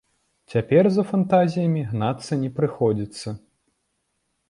Цяпер за фантазіямі гнацца не прыходзіцца.